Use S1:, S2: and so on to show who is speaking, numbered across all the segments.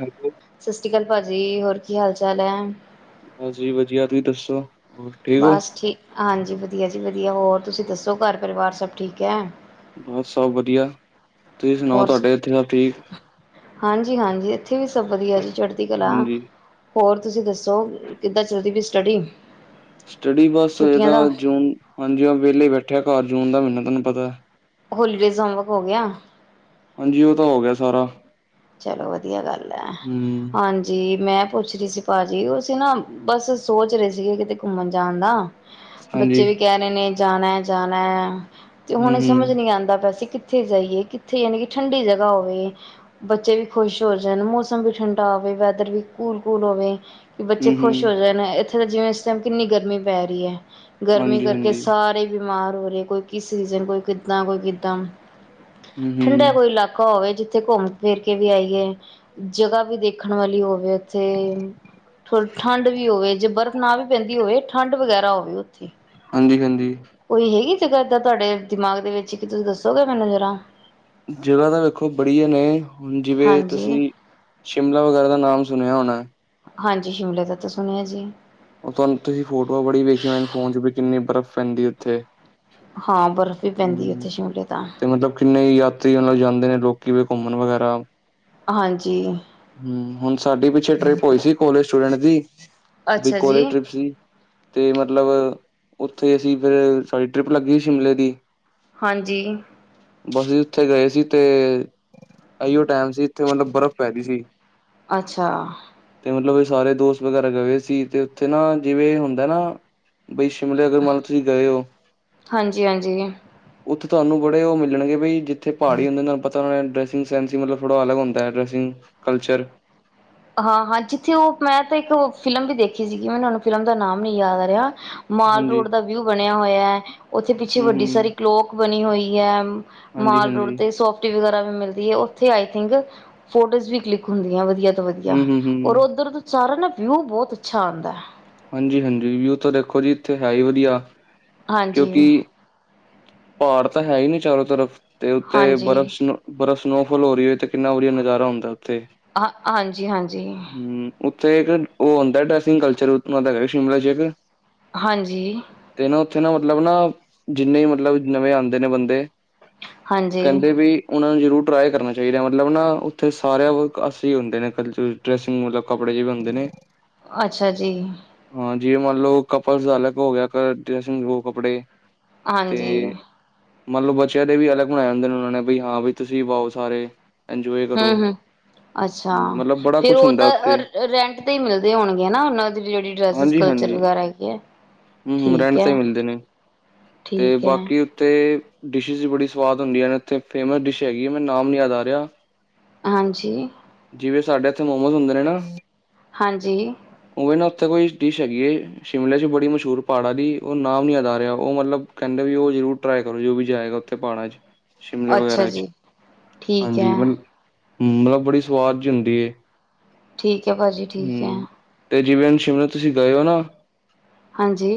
S1: Hello.
S2: ਸਸ ਸ਼੍ਰੀ ਕਾਲ ਭਾਅਜੀ ਹੋਰ ਕੀ ਹਾਲ ਚਾਲ ਐ?
S1: ਹਾਂਜੀ ਵਧੀਆ ਤੁਸੀਂ ਦੱਸੋ? ਹੋਰ ਠੀਕ ਹੋ?
S2: ਬਸ ਠੀਕ ਹਾਂਜੀ ਵਧੀਆ ਜੀ ਵਧੀਆ ਹੋਰ ਤੁਸੀਂ ਦੱਸੋ ਘਰ ਪਰਿਵਾਰ ਸਭ ਠੀਕ ਐ?
S1: ਬਸ ਸਭ ਵਧੀਆ ਤੁਸੀਂ ਸੁਣਾਓ ਤੁਹਾਡੇ ਏਥੇ ਸਬ ਠੀਕ?
S2: ਹਾਂਜੀ-ਹਾਂਜੀ ਏਥੇ ਵੀ ਸਭ ਵਧੀਆ ਜੀ ਚੜ੍ਹਦੀ ਕਲਾ
S1: ਹਾਂਜੀ।
S2: ਹੋਰ ਤੁਸੀਂ ਦੱਸ ਸੋ ਕਿੱਦਾਂ ਚੱਲਦੀ ਪਈ ਸਟੱਡੀ?
S1: ਸਟੱਡੀ ਬਸ ਇਦਾ
S2: ਛੁੱਟੀਆਂ ਦਾ?
S1: ਜੂਨ ਹਾਂਜੀ ਵੇਲੇ ਬੈਠੇ ਆ ਘਰ ਜੂਨ ਦਾ ਮੀਨਾ ਤੁਹਾਂਨੂੰ ਪਤਾ।
S2: ਹੋਲੀਡੇਜ਼ ਹੋਮਵਰਕ ਹੋ ਗਿਆ?
S1: ਹਂਜੀ, ਔ ਤਾਂ ਹੋ ਗਿਆ ਸਾਰਾ।
S2: ਚਲੋ ਵਧੀਆ ਗੱਲ ਐ।
S1: ਹੂੰ
S2: ਹਾਂਜੀ ਮੈਂ ਪੁੱਛ ਰੀ ਸੀ ਭਾਜੀ ਔ ਸੀ ਨਾ ਬਸ ਸੋਚ ਰੇ ਸੀਗੇ ਕਿਤੇ ਘੁੰਮਨ ਜਾਨ ਦਾ।
S1: ਹਾਂਜੀ
S2: ਬੱਚੇ ਵੀ ਕੈ ਰੇ ਨੇ ਜਾਨਾਜਾਨਾਤੇ
S1: ਹੂੰ
S2: ਹੁਨ
S1: ਹੂੰ।
S2: ਸਮਝ ਨੀ ਆਂਦਾ ਪਿਆ। ਅਸੀ ਕਿ ਕਿਥੇ ਜਾਈਏ ਕਿੱਥੇ ਯਾਨੀ ਕਿ ਠੰਡੀ ਜਗਾ ਹੋਵੇ। ਬੱਚੇ ਵੀ ਖੁਸ਼ ਹੋ ਜਾਨ ਮੌਸਮ ਵੀ ਠੰਡਾ ਹੋਵੇ ਵੈਦਰ ਵੀ ਕੂੱਲਕੂੱਲ ਹੋਵੇ। ਕੀ ਬੱਚੇ
S1: ਹੂੰ
S2: ਖੁਸ਼
S1: ਹੂੰ
S2: ਹੋ ਜਾਨਇੱਥੇ ਤਾਂ ਜਿਵੇਂ ਇਸ ਟਾਈਮ ਕਿੰਨੀ ਗਰਮੀ ਪੈ ਰੀਐ। ਗਰਮੀ
S1: ਹਾਂਜੀ
S2: ਕਰਕੇ
S1: ਹਾਂਜੀ
S2: ਸਾਰੇ ਬਿਮਾਰ ਹੋਰੇ ਕੋਈ ਕਿਸ ਸੀਜ਼ਨ ਕੋਈ ਕਿੱਦਾਂ ਕੋਈ ਕਿੱਦਾਂ।
S1: ਹੂੰ
S2: ਠੰਡਾ
S1: ਹੂੰ
S2: ਕੋਈ ਇਲਾਕਾ ਹੋਵੇ ਜਿੱਥੇ ਘੁੰਮ ਵੇਖ ਕੇ ਵੀ ਆਈਏ ਜਗ੍ਹਾ ਵੀ ਦੇਖਨ ਵਾਲੀ ਹੋਵੇ। ਤੇ ਠੰਡ ਵੀ ਹੋਵੇ ਜੇ ਬਰਫ਼ ਨਾ ਵੀ ਪੈਂਦੀ ਹੋਵੇ ਠੰਡ ਵਗੈਰਾ ਹੋਵੇ। ਥੇ।
S1: ਹਂਜੀ, ਹਂਜੀ।
S2: ਕੋਈ ਹੈਗੀ ਜਗਾ ਏਦਾਂ ਤੁੱਡੇ ਦਿਮਾਗ ਦੇ ਵਿੱਚ ਕੀ ਤੁਸੀਂ ਦੱਸੋਗੇ ਸਾਨੂੰ ਜ਼ਰਾ।
S1: ਜਗ੍ਹਾ ਤਾਂ ਵੇਖੋ ਬੜੀਆ ਨੇ ਜਿਵੇਂ
S2: ਹਾਂਜੀ
S1: ਤੁਸੀਂ ਸ਼ਿਮਲਾ ਵਗੈਰਾ ਦਾ ਨਾਮ ਸੁਨਿਆ ਹੋਨਾ।
S2: ਹਂਜੀ ਸ਼ਿਮਲੇ ਦਾ ਤਾਂ ਸੁਨਿਆ ਜੀ।
S1: ਓ ਤੁਨੂੰ ਤੁਸੀਂ ਫੋਟੋਆਂ ਬੜੀ ਵੇਖੀਆਂ ਫੋਨ ਚ ਵੀ ਕਿੰਨੀ ਬਰਫ਼ ਪੈਂਦੀ ਉੱਥੇ।
S2: ਹਾਂ ਬਰਫ਼ ਵੀ ਪੈਂਦੀ
S1: ਹੂੰ
S2: ਉੱਥੇ ਸ਼ਿਮਲੇ ਤਾਂ।
S1: ਤੇ ਮਤਲਬ ਕਿੰਨੇ ਯਾਤਰੀਆਂ ਨਾਲ ਜਾਂਦੇ ਨੇ ਲੋਕੀ ਵੀ ਘੁੰਮਣ ਵਗੈਰਾ।
S2: ਹਂਜੀ।
S1: ਹੂੰ ਹੁਨਸਾਡੀ ਪਿੱਛੇ ਟ੍ਰਿਪ ਹੋਈ ਸੀ ਕੋਲੇਜ ਸਟੂਡੈਂਟ ਦੀ ਵੀ
S2: ਅੱਛਾ ਜੀ
S1: ਕੋਲੇਜ ਟ੍ਰਿਪ ਸੀ। ਤੇ ਮਤਲਬ ਉੱਥੇ ਅਸੀਂ ਫੇਰ ਸਾਡੀ ਟਰਿਪ ਲੱਗੀ ਸ਼ਿਮਲੇ ਦੀ।
S2: ਹਂਜੀ।
S1: ਬਸ ਉੱਥੇ ਗਏ ਸੀ ਤੇ ਐਈਔ ਟੈਮ ਸੀ ਇੱਥੇ ਮਤਲਬ ਬਰਫ਼ ਪੈਗੀ ਸੀ। [inaudible]
S2: ਅੱਛਾ।
S1: ਤੇ ਮਤਲਬ ਸਾਰੇ ਦੋਸਤ ਵਗੈਰਾ ਗੈ ਹੋਏਸੀ। ਤੇ ਉੱਥੇ ਨਾ ਜਿਵੇਂ ਹੁੰਦਾ ਨਾ ਬਈ ਸ਼ਿਮਲੇ ਅਗਰ ਮੰਨ ਤੁਸੀਂ ਗਏਔ।
S2: ਹਾਂਜੀ ਹਾਂਜੀ
S1: ਉੱਥੇ ਤੁਹਾਨੂੰ ਬੜੇ ਔ ਮਿਲਨਗੇ ਬਈ ਜਿੱਥੇ ਪਹਾੜੀ ਹੁੰਦੇ ਨਾ ਤੁੱਨੂੰ ਪਤਾ ਹੋਨਾ ਡਰੈਸਿੰਗਸੈਂਸ ਈ ਮਤਲਬ ਥੋੜਾ ਅਲੱਗ ਹੁੰਦੈ ਡਰੈਸਿੰਗ ਕਲਚੱਰ।
S2: ਹਾਂ ਹਾਂ ਜਿੱਥੇ ਔ ਮੈਂ ਤਾਂ ਇੱਕ ਫਿਲਮ ਵੀ ਦੇਖੀ ਸੀਗੀ। ਮੈਂਨੂੰ ਹੁਨ ਫਿਲਮ ਦਾ ਨਾਮ ਨੀ ਯਾਦ ਆ ਰਿਆ। ਮਾਲ
S1: ਹਾਂਜੀ
S2: ਰੋਡ ਦਾ ਵਿਊ ਬਨਿਆ ਹੋਇਐ। ਉੱਥੇ ਪਿੱਛੇ
S1: ਹਮ
S2: ਵੱਡੀ
S1: ਹਮ
S2: ਸਾਰੀ ਕਲੋਕ ਬਨੀ ਹੋਈ ਐ।
S1: ਹਾਂਜੀ
S2: ਮਾਲ ਰੋਡ
S1: ਹਾਂਜੀ
S2: ਤੇ ਸੋ ਟੀ ਵਗੈਰਾ ਵੀ ਮਿਲਦੀ ਐ। ਉਥੇ ਆਈ ਥਿੰਕ ਫੋਟੋਜ਼ ਵੀ ਕਲਿਕ ਹੁੰਦੀਆਂ ਵਧੀਆ ਤੋਂ ਵਧੀਆ। ਧੀਆ
S1: ਹੂੰ, ਹੂੰ,
S2: ਔਰ
S1: ਹੂੰ,
S2: ਓਧਰ ਦਾ ਸਾਰਾ ਨਾ ਵਿਊ ਬੋਤ ਅੱਛਾ ਆਂਦੈ।
S1: ਹਂਜੀ, ਹਂਜੀ ਵਿਊ ਤੋਂ ਦੇਖੋ ਜੀ ਇੱਥੇ ਹੈ ਈ ਵਧੀਆ।
S2: ਹਂਜੀ।
S1: ਕਿਉਂਕਿ ਪਹਾੜ ਤਾਂ ਹੈ ਹੀ ਨੀ ਚਾਰੋ ਤਰਫ ਤੇ ਉੱਤੇ
S2: ਹਾਂਜੀ
S1: ਬਰਫ਼ ਬਰਫ਼ ਸਨੋਫਾਲ ਹੋ ਰਹੀ ਔ ਤੇ। ਕਿਨਾ ਵਧੀਆ ਨਜ਼ਾਰਾ ਹੁੰਦਾ ਉੱਥੇ
S2: ਹਾਂ ਹਾਂਜੀ ਹਾਂਜੀ
S1: ਹੂੰ। ਉੱਥੇ ਇੱਕ ਉਹ ਹੁੰਦਾ ਡਰੈਸਿੰਗ ਕਲਚੱਰ ਸ਼ਿਮਲਾ ਚ ਇੱਕ।
S2: ਹਂਜੀ।
S1: ਤੇ ਨਾ ਉੱਥੇ ਨਾ ਮਤਲਬ ਨਾ। ਜਿੰਨੇ ਮਤਲਬ ਨਵੇਂ ਆਂਦੇ ਨੇ ਬੰਦੇ ਉਹ
S2: ਹਾਂਜੀ
S1: ਕੈਂਦੇ ਬਈ ਉਨਾਂ ਨੂੰ ਜ਼ਰੂਰ ਟਰਾਈ ਕਰਨਾ ਚੈਦਾ ਮਤਲਬ ਨਾ ਉੱਥੇ ਸਾਰੇਆਂ ਵਿਕਾਆਸੇ ਹੀ ਹੁੰਦੇ ਨੇ ਕਲਚਰ। ਡਰੈਸਿੰਗ ਮਤਲਬ ਕੱਪੜੇ ਵੀ ਬਣਦੇ ਨੇ।
S2: ਅੱਛਾ ਜੀ।
S1: ਹਾਂ ਜਿਵੇਂ ਮੰਨ ਲੋ ਕਪਲ ਦਾ ਅਲੱਗ ਹੋ ਗਿਆ ਕ ਡਰੈਸਿੰਗ ਵੋ ਕੱਪੜੇ।
S2: ਹਾਂਜੀ।
S1: ਤੇ ਮੰਨ ਲੋ ਬੱਚਿਆਂ ਦੇ ਵੀ ਅਲੱਗ ਬਣਾਇਆ ਹੁੰਦਾ ਉਨਾਂ ਨੇ ਵੀ ਹਾਂ ਬਈ ਤੁਸੀਂ ਵੀ ਪਾਓ ਸਾਰੇ। ਐਜੋਏ ਕਰੋ।
S2: ਹੂੰ-ਹੂੰ, ਅੱਛਾ
S1: ਮਤਲਬ ਬੜਾ
S2: ਫੇਰ
S1: ਕੁਛ
S2: ਓ
S1: ਹੁੰਦਾ
S2: ਤਾਂ
S1: ਉੱਥੇ
S2: ਅ ਰੈਂਟ 'ਤੇ ਈ ਮਿਲਦੇ ਹੋਣਗੇ ਨਾ ਉਨਾਂ ਦੇ ਜੇੜੀ ਡਰੈਸਿਸ ਕਲਚਰ
S1: ਹਾਂਜੀ-ਹਾਂਜੀ
S2: ਵਗੈਰਾ ਹੈਗੀ ਐ।
S1: ਹੂੰ ਰੈਂਟ 'ਤੇ ਮਿਲਦੇ ਨੇ 'ਤੇ
S2: ਠੀਕ ਹੈ,
S1: ਬਾਕੀ 'ਤੇ ਡਿਸ਼ਿਸ ਵੀ ਬੜੀ ਸਵਾਦ ਹੁੰਦੀਆਂ ਨੇ ਉੱਥੇ ਫੇਮਸ ਡਿਸ਼ ਹੈਗੀ ਏ ਮੈਨੂੰ ਨਾਮ ਨੀ ਯਾਦ ਆ ਰੇਆ
S2: ਹਾਂਜੀ।
S1: ਜਿਵੇਂ ਸਾਡੇ ਐਥੇ ਮੋਮੋਸ ਹੁੰਦੇ ਨੇ ਨਾ
S2: ਹਾਂਜੀ।
S1: ਉਵੇਂ ਨਾ ਉੱਥੇ ਕੋਈ ਡਿਸ਼ ਹੈਗੀ ਏ ਸ਼ਿਮਲੇ 'ਚ ਬੜੀ ਮਸ਼ਹੂਰ ਪਾੜਾਂ ਦੀ ਓ ਨਾਮ ਨੀ ਯਾਦ ਆ ਰੇਆ ਓ ਮਤਲਬ ਕੈਂਦੇ ਵੀ ਓ ਜ਼ਰੂਰ ਟਰਾਏ ਕਰੋ ਜੋ ਵੀ ਜਾਏਗਾ ਉੱਥੇ ਪਾੜਾਂ 'ਚ ਸ਼ਿਮਲਾ
S2: ਅੱਛਾ
S1: ਵਗੈਰਾ ਚ,
S2: ਜੀ, ਠੀਕ ਹੈ,
S1: ਹਾਂਜੀ ਮਨ, ਮਤਲਬ ਬੜੀ ਸਵਾਦ ਜੀ ਹੁੰਦੀ ਏ।
S2: ਠੀਕ ਐ, ਭਾਜੀ ਠੀਕ ਐ।
S1: 'ਤੇ ਜਿਵੇਂ ਹੁਣ ਸ਼ਿਮਲੇ ਤੁਸੀਂ ਗਏ ਓ ਨਾ।
S2: ਹਾਂਜੀ।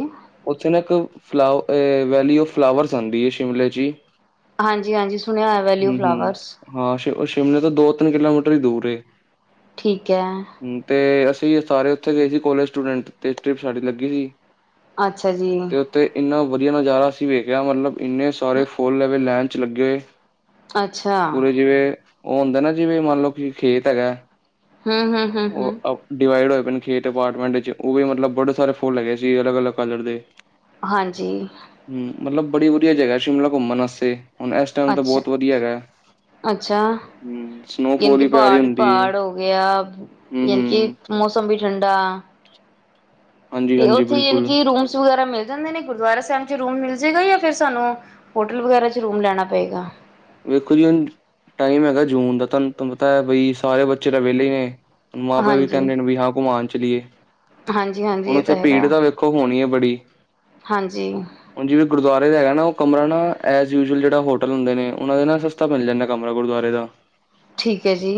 S1: ਉੱਥੇ ਨਾ ਇੱਕ ਫਲਾ ਅ ਵੈਲੀ ਓ ਫਲਾਵਰਸ ਆਂਦੀ ਏ ਸ਼ਿਮਲੇ 'ਚ ਈ।
S2: ਹਾਂਜੀ-ਹਾਂਜੀ ਸੁਣਿਆ ਉਇਆ ਵੈਲੀ ਓ
S1: ਹੂੰ-ਹੂੰ।
S2: ਫਲਾਵਰਸ।
S1: ਹਾਂ ਸ਼ ਸ਼ਿਮਲੇ ਤੋਂ ਦੋ-ਤਿੰਨ ਕਿਲੋਮੀਟਰ ਈ ਦੂਰ ਏ।
S2: ਠੀਕ ਐ।
S1: ਹੂੰ 'ਤੇ ਅਸੀਂ ਸਾਰੇ ਉੱਥੇ ਗਏ ਸੀ ਕੋਲੇਜ ਸਟੂਡੈਂਟ 'ਤੇ ਟ੍ਰਿਪ ਸਾਡੀ ਲੱਗੀ ਸੀ।
S2: ਅੱਛਾ ਜੀ।
S1: 'ਤੇ ਇੰਨਾ ਵਧੀਆ ਨਜ਼ਾਰਾ ਅਸੀਂ ਵੇਖਿਆ ਮਤਲਬ ਇੰਨੇ ਸਾਰੇ ਫੁੱਲ ਐਵੇ ਲੈਨ 'ਚ ਲੱਗੇ।
S2: ਅੱਛਾ।
S1: ਊਰੇ ਜਿਵੇਂ ਓ ਹੁੰਦਾ ਨਾ ਜਿਵੇਂ ਮੰਨ ਲੋ ਕਿ ਖੇਤ ਹੈਗਾ
S2: ਹੂੰ-ਹੂੰ-ਹੂੰ-ਹੂੰ।
S1: ਉਹ ਅ ਡਿਵਾਈਡ ਹੋਏ ਪਏ ਨੇ ਖੇਤ ਅਪਾਰਟਮੈਂਟ ਵਿਚ ਉਵੇਂ ਮਤਲਬ ਬੜੇ ਸਾਰੇ ਫੁੱਲ ਹੈਗੇ ਸੀ, ਅਲਗ-ਅਲੱਗ ਕਲਰ ਦੇ।
S2: ਹਾਂਜੀ।
S1: ਹੂੰ ਮਤਲਬ ਬੜੀ ਵਧੀਆ ਜਗਾ ਐ ਸ਼ਿਮਲਾ ਘੁੰਮਣ ਵਾਸਤੇ ਹੁਣ ਐਸ ਟਾਈਮ ਤਾਂ
S2: ਅੱਛਾ।
S1: ਬੋਤ ਵਧੀਆ ਹੈਗਾ ਐ।
S2: ਅੱਛਾ,
S1: ਹੂੰ ਸਨੋਫੋਲ ਵੀ ਪੈ ਰੀ ਹੁੰਦੀ ਏ।
S2: ਯਾ, ਯਾਨੀ ਕੇ
S1: ਹੂੰ-ਹੂੰ,
S2: ਮੌਸਮ ਵੀ ਠੰਡਾ 'ਤੇ
S1: ਹਾਂਜੀ-ਹਾਂਜੀ,
S2: ਉੱਥੇ ਯਾਨੀ
S1: ਬਿਲਕੁਲ
S2: ਕਿ ਰੂਮਸ ਵਗੈਰਾ ਮਿਲ ਜਾਂਦੇ ਨੇ ਗੁਰਦੁਆਰਾ ਸੇਅਮ 'ਚ ਰੂਮ ਮਿਲ ਜੇਗਾ ਜਾਂ ਫਿਰ ਸਾਨੂੰ ਹੋਟਲ ਵਗੈਰਾ 'ਚ ਰੂਮ ਲੈਣਾ ਪਏਗਾ?
S1: ਵੇਖੋ ਜੀ ਹੁਣ ਟਾਈਮ ਹੈਗਾ ਜੂਨ ਦਾ ਤੁਹਾਨੂੰ, ਤੁਹਾਨੂੰ ਪਤਾ ਐ ਬਈ ਸਾਰੇ ਬੱਚੇ ਤਾਂ ਵੇਲੇ ਨੇ ਮਾਂ ਪਿਓ ਵੀ
S2: ਹਾਂਜੀ
S1: ਕੈਂਦੇ ਨੇ ਵੀ ਹਾਂ ਘੁੰਮਾਣ ਚਲੀਏ,
S2: ਹਾਂਜੀ ਹਾਂਜੀ
S1: ਹੁਣ
S2: ਇਹ
S1: ਉੱਥੇ
S2: ਤਾਂ
S1: ਭੀੜ
S2: ਹੈਗਾ
S1: ਦਾ ਵੇ ਖੋ ਹੋਣੀ ਏ ਬੜੀ।
S2: ਹਾਂਜੀ।
S1: ਹੁਣ ਜਿਵੇਂ ਗੁਰਦੁਆਰੇ ਦਾ ਹੈਗਾ ਨਾ ਓ ਕਮਰਾ ਨਾ ਐਜ ਯੂਜਅਲ ਜੇੜਾ ਹੋਟਲ ਹੁੰਦੇ ਨੇ ਉਨਾਂ ਦੇ ਨਾ ਸਸਤਾ ਮਿਲ ਜਾਂਦਾ ਕਮਰਾ ਗੁਰਦੁਆਰੇ ਦਾ।
S2: ਠੀਕ ਐ ਜੀ।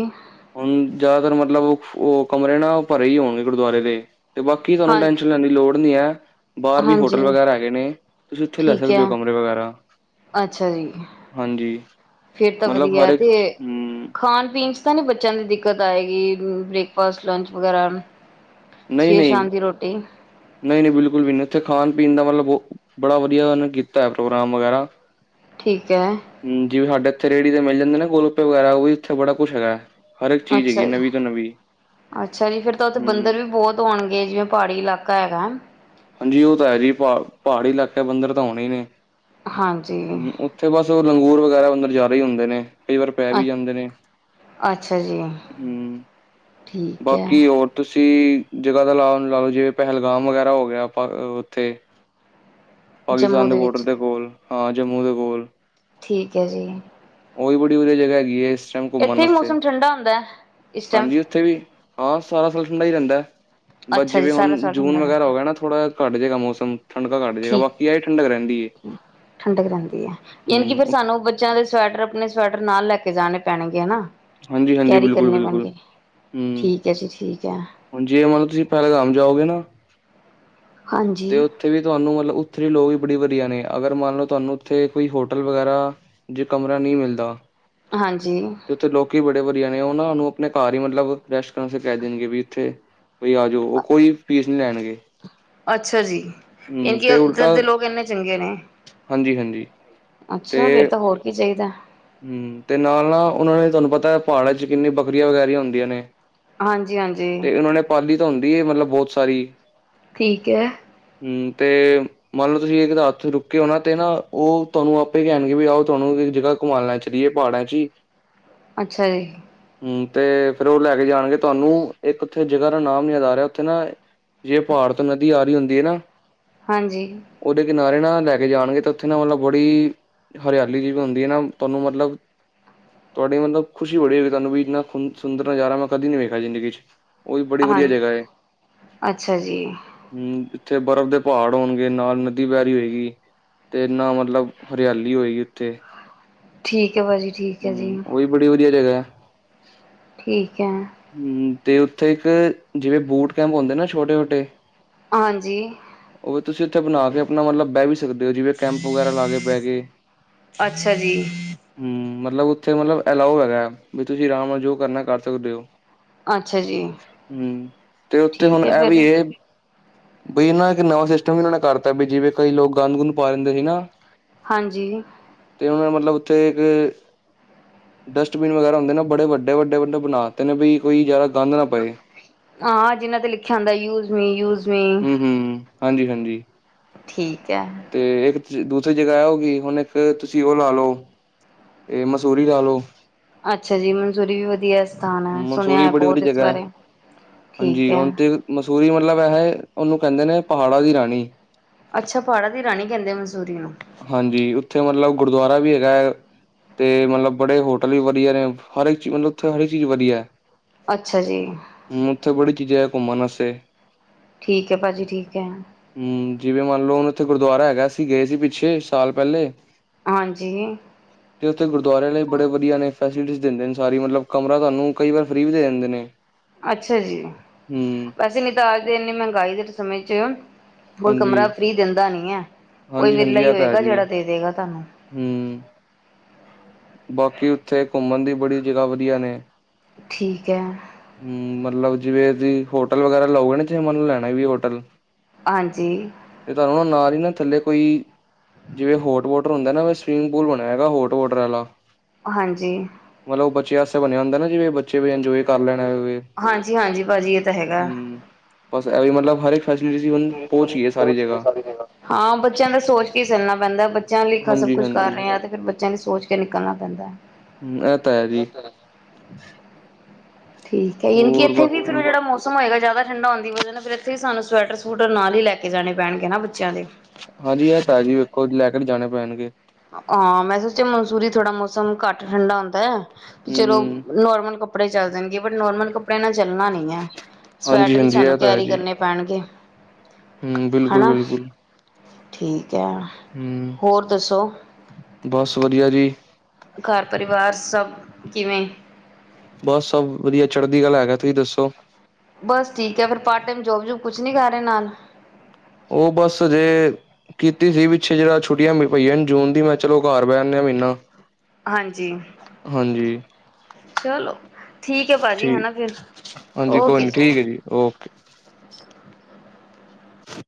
S1: ਹੁਣ ਜ਼ਿਆਦਾਤਰ ਮਤਲਬ ਓਫ ਓ ਕਮਰੇ ਨਾ ਭਰੇ ਈ ਹੋਣਗੇ ਗੁਰਦੁਵਾਰੇ ਦੇ। 'ਤੇ ਬਾਕੀ ਤੁਹਾਨੂੰ
S2: ਹਾਂ
S1: ਟੈਂਸ਼ਨ ਲੈਣ ਦੀ ਲੋੜ ਨੀ ਐ ਬਾਰ ਵੀ ਹੋਟਲ
S2: ਹਾਂਜੀ
S1: ਵਗੈਰਾ ਹੈਗੇ ਨੇ ਤੁਸੀਂ ਉੱਥੇ ਲੈ
S2: ਠੀਕ ਹੈ
S1: ਸਕਦੇ ਓ ਕਮਰੇ ਵਗੈਰਾ।
S2: ਅੱਛਾ ਜੀ।
S1: ਹਾਂਜੀ।
S2: ਫੇਰ ਤਾਂ
S1: ਮਤਲਬ ਹਰ
S2: ਵਧੀਆ
S1: ਇੱਕ
S2: ਤੇ
S1: ਹਮ
S2: ਖਾਣ ਪੀਣ ਤਾ ਨੀ ਬੱਚਿਆਂ ਦੀ ਦਿੱਕਤ ਆਏਗੀ ਬ੍ਰੇਕਫਾਸਟ ਲੰਚ ਵਗੈਰਾ, ਸਵੇਰ
S1: ਨਹੀਂ-ਨਹੀਂ,
S2: ਸ਼ਾਮ ਦੀ ਰੋਟੀ
S1: ਨਹੀਂ-ਨਹੀਂ, ਬਿਲਕੁਲ ਵੀ ਨਹੀ ਉੱਥੇ ਖਾਣ ਪੀਣ ਦਾ ਮਤਲਬ, ਬੜਾ ਵਧੀਆ ਉਹਨੇ ਕੀਤਾ ਹੈ ਪ੍ਰੋਗਰਾਮ ਵਗੈਰਾ,
S2: ਠੀਕ ਹੈ।
S1: ਜਿਵੇਂ ਸਾਡੇ ਇਥੇ ਰੇੜੀ ਤੇ ਮਿਲ ਜਾਂਦੇ ਨਾ ਗੋਲੋਪੇ ਵਗੈਰਾ ਉਹ ਇੱਥੇ ਬੜਾ ਕੁਛ ਹੈਗਾ ਹੈ। ਹਰ ਇੱਕ ਚੀਜ਼ ਹੈਗੀ
S2: ਅੱਛਾ ਜੀ
S1: ਨਵੀਂ ਤੋਂ ਨਵੀਂ।
S2: ਅੱਛਾ ਜੀ ਫੇਰ ਤਾਂ ਉੱਥੇ
S1: ਹਮ
S2: ਬੰਦਰ ਵੀ ਬਹੁਤ ਹੋਣਗੇ ਜਿਵੇਂ ਪਹਾੜੀ ਇਲਾਕਾ ਹੈਗਾ।
S1: ਹਾਂਜੀ ਉਹ ਤਾਂ ਹੈ ਜੀ ਪਹ ਪਹਾੜੀ ਇਲਾਕਾ ਬੰਦਰ ਤਾਂ ਹੋਣੇ ਹੀ ਨੇ।
S2: ਹਾਂਜੀ।
S1: ਹਮ ਉੱਥੇ ਬਸ ਉਹ ਲੰਗੂਰ ਵਗੈਰਾ ਓਧਰ ਜਾ ਰਹੇ ਹੀ ਹੁੰਦੇ ਨੇ। ਕਈ ਵਾਰ ਪੈ ਵੀ
S2: ਅੱ
S1: ਜਾਂਦੇ ਨੇ
S2: ਅੱਛਾ ਜੀ
S1: ਹੂੰ
S2: ਠੀਕ
S1: ਬਾਕੀ
S2: ਹੈ
S1: ਹੋਰ, ਤੁਸੀਂ ਜਗ੍ਹਾ ਦਾ ਲਾ-ਲਾ ਲਓ ਜਿਵੇਂ ਪਹਿਲਗਾਮ ਵਗੈਰਾ ਹੋ ਗਿਆ। ਉੱਥੇ,
S2: ਜੰਮੂ
S1: ਪਾਕਿਸਤਾਨ ਦੇ ਬੋਡਰ
S2: ਵਿੱਚ
S1: ਦੇ ਕੋਲ ਹਾਂ ਜੰਮੂ ਦੇ ਕੋਲ।
S2: ਠੀਕ ਹੈ ਜੀ।
S1: ਉਹੀ ਬੜੀ ਵਧੀਆ ਜਗ੍ਹਾ ਹੈਗੀ ਹੈ ਇਸ ਟਾਈਮ ਘੁੰਮਣ
S2: ਇੱਥੇ ਵੀ
S1: ਵਾਸਤੇ ਉੱਥੇ
S2: ਮੌਸਮ ਠੰਡਾ ਹੁੰਦਾ ਹੈ ਇਸ ਟਾਈਮ
S1: ਹਾਂਜੀ ਉੱਥੇ ਵੀ, ਹਾਂ ਸਾਰਾ ਸਾਲ ਠੰਡਾ ਹੀ ਰਹਿੰਦਾ ਬਸ
S2: ਅੱਛਾ ਜੀ
S1: ਜਿਵੇਂ
S2: ਸਾਰਾ
S1: ਹੁਣ
S2: ਸਾਲ
S1: ਜੂਨ
S2: ਠੰਡਾ
S1: ਵਗੈਰਾ
S2: ਰਹਿੰਦਾ
S1: ਹੋ ਗਿਆ ਨਾ ਥੋੜ੍ਹਾ ਘੱਟ ਜੇ ਗਾ ਮੌਸਮ। ਠੰਡਕਾ ਘੱਟ ਜਏਗਾ
S2: ਠੀਕ
S1: ਬਾਕੀ ਆ ਠੰਡਕ ਰਹਿੰਦੀ ਹੈ,
S2: ਠੰਡਕ ਰਹਿੰਦੀ ਹੈ ਯਾਨੀ ਕਿ ਫਿਰ
S1: ਹੂੰ।
S2: ਸਾਨੂੰ ਬੱਚਿਆਂ ਦੇ ਸਵੈਟਰ ਆਪਣੇ ਸਵੈਟਰ ਨਾਲ ਲੈ ਕੇ ਜਾਣੇ ਪੈਣਗੇ ਹਨਾ
S1: ਹਾਂਜੀ ਹਾਂਜੀ
S2: ਕੈਰੀ
S1: ਬਿਲਕੁਲ
S2: ਕਰਨੇ
S1: ਬਿਲਕੁਲ
S2: ਪੈਣਗੇ,
S1: ਹੂੰ
S2: ਠੀਕ ਹੈ ਜੀ ਠੀਕ ਹੈ।
S1: ਹੁਣ ਜੇ ਮਤਲਬ ਤੁਸੀਂ ਪਹਿਲਗਾਮ ਜਾਓਗੇ ਨਾ,
S2: ਹਾਂਜੀ।
S1: ਤੇ ਉੱਥੇ ਵੀ ਤੁਹਾਨੂੰ ਮਤਲਬ ਉੱਥੋਂ ਦੇ ਲੋਕ ਵੀ ਬੜੇ ਵਧੀਆ ਨੇ ਅਗਰ ਮੰਨ ਲਉ ਤੁਹਾਨੂੰ ਉੱਥੇ ਕੋਈ ਹੋਟਲ ਵਗੈਰਾ, ਜੇ ਕਮਰਾ ਨਹੀ ਮਿਲਦਾ,
S2: ਹਾਂਜੀ।
S1: ਤੇ ਉੱਥੇ ਲੋਕੀ ਬੜੇ ਵਧੀਆ ਨੇ ਉਹ ਨਾ ਉਹਨੂੰ ਆਪਣੇ ਘਰ ਹੀ ਮਤਲਬ ਰੈਸਟ ਕਰਨ ਵਾਸਤੇ ਕਹਿ ਦੇਣਗੇ ਵੀ ਇੱਥੇ, ਬਈ ਆ ਜਾਓ ਉਹ ਕੋਈ ਫੀਸ ਨਹੀ ਲੈਣਗੇ।
S2: ਅੱਛਾ ਜੀ
S1: ਹੂੰ
S2: ਇਹਕਿ
S1: ਤੇ
S2: ਉੱਧਰ
S1: ਉਲਟਾ
S2: ਦੇ ਲੋਕ ਇੰਨੇ ਚੰਗੇ ਨੇ।
S1: ਹਾਂਜੀ ਹਾਂਜੀ
S2: ਅੱਛਾ ਫੇਰ
S1: ਤੇ
S2: ਤਾਂ ਹੋਰ ਕੀ ਚਾਹੀਦਾ।
S1: ਹੂੰ ਤੇ ਨਾਲ-ਨਾਲ ਉਹਨਾਂ ਦੇ ਤੁਹਾਨੂੰ ਪਤਾ ਪਹਾੜਾਂ ਚ ਕਿੰਨੀ ਬੱਕਰੀਆਂ ਵਗੈਰੀਆਂ ਹੁੰਦੀਆਂ ਨੇ।
S2: ਹਾਂਜੀ-ਹਾਂਜੀ।
S1: ਤੇ ਉਹਨਾਂ ਨੇ ਪਾਲੀ ਤਾਂ ਹੁੰਦੀ ਹੈ ਮਤਲਬ ਬਹੁਤ ਸਾਰੀ,
S2: ਠੀਕ ਐ।
S1: ਹੂੰ ਤੇ, ਮੰਨ ਲਓ ਤੁਸੀਂ ਇੱਕ ਤਾਂ ਹੱਥ ਰੁਕਕੇ ਉਹਨਾ ਤੇ ਨਾ ਉਹ ਤੁਹਾਨੂੰ ਆਪੇ ਕਹਿਣਗੇ ਵੀ ਆਓ ਤੁਹਾਨੂੰ ਇੱਕ ਜਗ੍ਹਾ, ਘੁਮਾਣ ਲੈ ਚਲੀਏ ਪਹਾੜਾਂ ਚ ਹੀ,
S2: ਅੱਛਾ ਜੀ।
S1: ਹੂੰ ਤੇ ਫੇਰ ਉਹ ਲੈ ਕੇ ਜਾਣਗੇ ਤੁਹਾਨੂੰ ਇੱਕ ਉੱਥੇ ਜਗ੍ਹਾ ਦਾ ਨਾਮ ਯਾਦ ਆ ਰਿਹਾ ਉੱਥੇ ਨਾ, ਜੇ ਪਹਾੜ ਤੋਂ ਨਦੀ ਆ ਰਹੀ ਹੁੰਦੀ ਹੈ ਨਾ,
S2: ਹਾਂਜੀ।
S1: ਉਹਦੇ ਕਿਨਾਰੇ ਨਾ ਲੈ ਕੇ ਜਾਣਗੇ ਤਾਂ ਉੱਥੇ ਨਾ ਮਤਲਬ ਬੜੀ ਹਰਿਆਲੀ ਜੀ ਵੀ ਹੁੰਦੀ ਹੈ ਨਾ, ਤੁਹਾਨੂੰ ਮਤਲਬ, ਤੁਹਾਡੀ ਮਤਲਬ ਖੁਸ਼ੀ ਬੜੀ ਹੋ ਗਈ ਤੁਹਾਨੂੰ ਇੰਨਾ ਸੁੰਦਰ ਨਜ਼ਾਰਾ ਮੈਂ ਕਦੀ ਨੀ ਵੇਖਿਆ ਜ਼ਿੰਦਗੀ ਚ, ਉਹ ਵੀ ਬੜੀ ਵਦੀਆ
S2: ਹਾਂਜੀ
S1: ਜਗ੍ਹਾ ਏ।
S2: ਅੱਛਾ ਜੀ
S1: ਹੂੰ‌, ਜਿੱਥੇ ਬਰਫ਼ ਦੇ ਪਹਾੜ ਹੋਨਗੇ, ਨਾਲ ਨਦੀ ਵੈਅ ਰੀ ਹੋਏਗੀ। ਤੇ ਨਾ, ਮਤਲਬ, ਹਰਿਆਲੀ ਹੋਏਗੀ ਉੱਥੇ।
S2: ਠੀਕ ਐ ਭਾਜੀ, ਠੀਕ ਐ ਜੀ।
S1: ਹੂੰ, ਉਹ ਵੀ ਬੜੀ ਵਦੀਆ ਜਗ੍ਹੈ।
S2: ਠੀਕ ਐ।
S1: ਹੂੰ, 'ਤੇ ਉੱਥੇ ਇੱਕ ਜਿਵੇਂ ਬੂਟ ਕੈਂਪ ਹੁੰਦੇ ਨਾ, ਛੋਟੇ-ਛੋਟੇ।
S2: ਹਾਂਜੀ।
S1: ਓ ਤੁਸੀਂ ਉੱਥੇ ਬਨਾ ਕੇ ਆਪਨਾ ਮਤਲਬ ਬੈਅ ਵੀ ਸਕਦੇ, ਜਿਵੇਂ ਕੈਂਪ ਵਗੈਰਾ ਲਾ ਕੇ ਬੈਅ ਗੇ‌।
S2: ਅੱਛਾ ਜੀ।
S1: ਹੂੰ‌, ਮਤਲਬ ਉੱਥੇ ਮਤਲਬ ਅਲਾਓ ਹੈਗੈ, ਬਈ ਤੁਸੀਂ ਆਰਾਮ ਨਾਲ ਜੋ ਕਰਨੈ ਕਰ ਸਕਦੇ ਓ।
S2: ਅੱਛਾ ਜੀ
S1: ਹੂੰ, ਤੇ ਉੱਥੇ
S2: ਠੀਕ
S1: ਹੁਨ
S2: ਹੈ
S1: ਐ ਵੀ
S2: ਫਿਰ
S1: ਏ। ਬਈ ਨਾ, ਇੱਕ ਨਵਾਂ ਸਿਸਟਮ ਵੀ ਉਨਾਂ ਨੇ ਕਰਤਾ, ਬੀ ਜਿਵੇਂ ਕਈ ਲੋਕ ਗੰਦ-ਗੁੰਦ ਪਾ ਦਿੰਦੇ ਸੀ ਨਾ।
S2: ਹਾਂਜੀ।
S1: 'ਤੇ ਉਨਾਂ ਨੇ ਮਤਲਬ, ਉੱਥੇ ਇੱਕ ਡਸਟਬਿਨ ਵਗੈਰਾ ਹੁੰਦੇ ਨਾ, ਬੜੇ ਵੱਡੇ-ਵੱਡੇ-ਵੱਡੇ ਬਨਾਤੇ ਨੇ, ਬਈ ਕੋਈ ਜਾਦਾ ਗੰਦ ਨਾ ਪਏ।
S2: ਹਾਂ, ਜਿਨਾਂ ਤੇ ਲਿਖਿਆ ਹੁੰਦਾ ਯੂਜ਼ ਮੀ ਯੂਜ਼।
S1: ਹੂੰ- ਹੂੰ, ਹਾਂਜੀ- ਹਾਂਜੀ।
S2: ਠੀਕ ਐ।
S1: 'ਤੇ ਇੱਕ ਦੂਸਰੀ ਜਗ੍ਹਾ ਐ ਹੋ ਗਈ, ਹੁਨ ਇੱਕ ਤੁਸੀਂ ਓ ਲਾ ਲਓ। ਏਅ ਮਸੂਰੀ ਲਾ ਲਓ।
S2: ਅੱਛਾ ਜੀ, ਮਨਸੂਰੀ ਵੀ ਵਦੀਆ ਸਥਾਨ ਐ, ਸੁਨਿਆ
S1: ਮਸੂਰੀ
S2: ਐ
S1: ਬੜੀ
S2: ਬੋਤ
S1: ਵਧੀਆ
S2: ਇਸ
S1: ਜਗ੍ਹਾ ਹੈ
S2: ਬਾਰੇ, ਠੀਕ
S1: ਹਾਂਜੀ
S2: ਐ।
S1: ਹੁਣ ਤੇ ਮਸੂਰੀ ਮਤਲਬ ਐਹ, ਉਨੂੰ ਕੈਂਦੇ ਨੇ ਪਹਾੜਾਂ ਦੀ ਰਾਣੀ।
S2: ਅੱਛਾ, ਪਹਾੜਾਂ ਦੀ ਰਾਣੀ ਕੈਂਦੇ ਮਨਸੂਰੀ ਨੂੰ?
S1: ਹਾਂਜੀ, ਉੱਥੇ ਮਤਲਬ ਗੁਰਦੁਆਰਾ ਵੀ ਹੈਗਾ ਐ। ਤੇ ਮਤਲਬ ਬੜੇ ਹੋਟਲ ਵੀ ਵਦੀਆ ਨੇ, ਹਰ ਇੱਕ ਚੀਜ਼ ਮਤਲਬ ਉੱਥੇ ਹਰ ਇੱਕ ਚੀਜ਼ ਵਦੀਆ ਐ।
S2: ਅੱਛਾ ਜੀ।
S1: ਹੂੰ, ਉੱਥੇ ਬੜੀ ਚੀਜ਼ਾਂ ਐ ਘੁੰਮਣ ਵਾਸਤੇ।
S2: ਠੀਕ ਐ ਭਾਜੀ, ਠੀਕ ਐ।
S1: ਹੂੰ ਜਿਵੇਂ ਮੰਨ ਲਓ ਹੁਨ ਉੱਥੇ ਗੁਰਦੁਆਰਾ ਹੈਗੈ, ਅਸੀਂ ਗਏ ਸੀ ਪਿੱਛੇ ਸਾਲ ਪਹਿਲੇ।
S2: ਹਾਂਜੀ।
S1: 'ਤੇ ਉਥੇ ਗੁਰਦਵਾਰੇ ਆਲੇ ਵੀ ਬੜੇ ਵਦੀਆ ਨੇ, ਫੈਸਿਲਿਟੀਜ਼ ਦਿੰਦੇ ਨੇ ਸਾਰੀ, ਮਤਲਬ ਕਮਰਾ ਤੁਹਾਨੂੰ ਕਈ ਵਾਰ ਫਰੀ ਵੀ ਦੇ ਦਿੰਦੇ ਨੇ।
S2: ਅੱਛਾ ਜੀ।
S1: ਹੂੰ,
S2: ਵੈਸੇ ਨਈ ਤਾਂ ਅੱਜ ਦੇ ਇੰਨੀ ਮਹਿੰਗਾਈ ਦੇ ਸਮੇਂ 'ਚ, ਕੋਈ ਕਮਰਾ
S1: ਹਾਂਜੀ,
S2: ਫਰੀ ਦਿੰਦਾ ਨੀ ਐ, ਕੋਈ ਵਿਰਲਾ
S1: ਹਾਂਜੀ-ਹਾਂਜੀ
S2: ਈ
S1: ਇਹ ਤਾਂ ਹੈ
S2: ਹੋਏਗਾ
S1: ਜੀ।
S2: ਜੇੜਾ ਦੇ ਦੇਗਾ ਤੁਹਾਨੂੰ।
S1: ਹੂੰ। ਬਾਕੀ ਉੱਥੇ ਘੁੰਮਣ ਦੀ ਬੜੀ ਜਗ੍ਹਾ ਵਦੀਆ ਨੇ।
S2: ਠੀਕ ਐ।
S1: ਹੂੰ, ਮਤਲਬ ਜਿਵੇਂ ਤੁਸੀਂ ਹੋਟਲ ਵਗੈਰਾ ਲਓਗੇ ਨਾ, ਚਾਹੇ ਮਨ ਲੈਣਾ ਵੀ ਹੋਟਲ।
S2: ਹਾਂਜੀ।
S1: 'ਤੇ ਤੁਹਾਨੂੰ ਓ ਨਾਲ ਈ ਨਾ, ਥੱਲੇ ਕੋਈ ਜਿਵੇਂ ਹੋਟ ਵੋਟਰ ਹੁੰਦੈ ਨਾ, ਸਵੀਮਿੰਗ ਪੂਲ ਬਨਿਆ ਹੈਗਾ, ਹੋਟ ਵੋਟਰ ਆਲਾ।
S2: ਹਾਂਜੀ।
S1: ਮਤਲਬ, ਬੱਚਿਆਂ ਸਤੇ ਬਨਿੰਆ ਹੁੰਦਾ ਨਾ, ਜਿਵੇਂ ਬੱ
S2: ਹਾਂਜੀ-ਹਾਂਜੀ ਭਾਜੀ, ਏਹ ਤਾਂ ਹੈਗਾ।
S1: ਹੂੰ, ਬਸ ਐ ਵੀ ਮਤਲਬ ਹਰ
S2: ਪਤਾ
S1: ਇੱਕ ਫੈਸਿਲਿਟੀ ਹੁਣ
S2: ਨੀ
S1: ਪਹੁੰਚ
S2: ਰਿਜੂਅਲ
S1: ਗਈ ਹੈ
S2: ਕੋਰਸ ਸਾਰੀ ਜਗ੍ਹਾ ਹਾਂ ਬੱਚਿਆਂ ਦੇ ਸੋਚ ਕੀ ਸੁਨਣਾ ਪੈਂਦਾ ਬੱਚਿਆਂ ਲਈ ਸਭ ਕੁੱਛ ਕਰ
S1: ਹਾਂਜੀ-ਹਾਂਜੀ,
S2: ਰਹੇ ਹਾਂ ਤੇ ਫੇਰ ਬ ਨਾਲੇ ਸੋਚ ਕੇ ਨਿਕਲਣਾ ਪੈਂਦਾ,
S1: ਹੂੰ ਐ ਤਾਂ
S2: ਉਹ
S1: ਜੀ,
S2: ਤੇ ਹੈ ਠੀਕ ਹੈ ਯਾਨੀ ਕਿ
S1: ਹੋਰ
S2: ਇੱਥੇ ਵੀ ਫੇਰ
S1: ਬਾਕੀ
S2: ਜਿਹੜਾ ਮੌਸਮ ਮੌਸਮ ਹੋਏਗਾ ਜ਼ਿਆਦਾ ਠੰਡਾ ਹੋਣ ਦੀ ਵਜ੍ਹਾ ਨਾਲ ਫੇਰ ਇੱਥੇ ਸਾਨੂੰ ਸਵੈਟਰ-ਸਵੂਟਰ ਨਾਲ ਹੀ ਲੈ ਕੇ ਜਾਣੇ ਪੈਣਗੇ ਨਾ ਬੱਚਿਆਂ ਦੇ।
S1: ਹਾਂਜੀ ਇਹ ਤੇ ਹੈ ਜੀ ਵੇਖੋ ਲੈ ਕੇ ਤਾਂ ਜਾਣੇ ਪੈਣਗੇ।
S2: ਹਾਂ, ਮੈਂ ਸੋਚਿਆ ਮਨਸੂਰੀ ਥੋੜਾ ਮੌਸਮ ਘੱਟ ਠੰਡਾ ਹੁੰਦਾ ਐ ਚਲੋ
S1: ਹੂੰ-ਹੂੰ,
S2: ਨੋਰਮਲ ਕੱਪੜੇ ਚੱਲ ਜਾਣਗੇ, ਬਟ ਨੋਰਮਲ ਕੱਪੜਿਆਂ ਨਾਲ ਚੱਲਣਾ ਨਹੀਂ ਹੈ। ਸਵੈਟਰ ਹੀ
S1: ਹਾਂਜੀ-ਹਾਂਜੀ ਐ
S2: ਸਾਨੂੰ ਕੈਰੀ ਕਰਨੇ ਪੈਣਗੇ।
S1: ਹਮ, ਬਿਲਕੁਲ,
S2: ਹਨਾ
S1: ਬਿਲਕੁਲ।
S2: ਠੀਕ ਹੈ, ਹੋਰ ਦੱਸੋ?
S1: ਬਸ ਵਧੀਆ ਜੀ।
S2: ਘਰ ਪਰਿਵਾਰ ਸਭ ਕਿਵੇਂ?
S1: ਬਸ ਸਭ ਵਧੀਆ ਚੜ੍ਹਦੀ ਕਲਾ ਹੈਗਾ, ਤੁਸੀਂ ਦੱਸੋ?
S2: ਬਸ ਠੀਕ ਹੈ, ਫੇਰ ਪਾਰਟ ਟਾਈਮ ਜੋਬ-ਜੂਬ ਕੁਛ ਨੀ ਕਰ ਰਹੇ ਨਾਲ।
S1: ਉਹ, ਬਸ ਹਜੇ - ਕੀਤੀ ਸੀ, ਪਿੱਛੇ ਜਿਹੜਾ ਛੁੱਟੀਆਂ ਪਈਆਂ ਨੇ, ਜੂਨ ਦੀ ਮੈਂ ਚਲੋ ਘਰ ਬਹਿ ਆਉਣੇ ਆਂ, ਮਹੀਨਾ-
S2: ਹਾਂਜੀ।
S1: ਹਾਂਜੀ
S2: ਚਲੋ ਠੀਕ ਹੈ, ਭਾਜੀ ਹੈਨਾ
S1: ਠੀਕ
S2: ਫੇਰ,
S1: ਹਾਂਜੀ ਕੋਈ
S2: ਓਕੇ
S1: ਨੀ
S2: ਜੀ।
S1: ਠੀਕ ਹੈ ਓਕੇ।